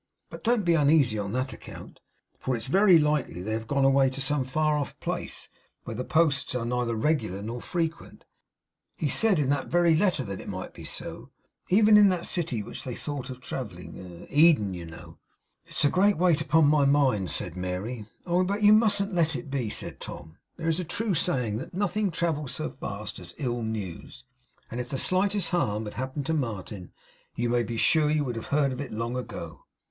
But don't be uneasy on that account, for it's very likely they have gone away to some far off place, where the posts are neither regular nor frequent. He said in that very letter that it might be so, even in that city to which they thought of travelling Eden, you know.' 'It is a great weight upon my mind,' said Mary. 'Oh, but you mustn't let it be,' said Tom. 'There's a true saying that nothing travels so fast as ill news; and if the slightest harm had happened to Martin, you may be sure you would have heard of it long ago.